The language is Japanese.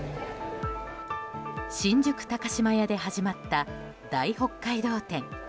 新宿高島屋で始まった大北海道展。